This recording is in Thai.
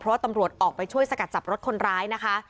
เพราะว่าตำรวจออกไปช่วยสกัดจับรถคนร้ายนะคะ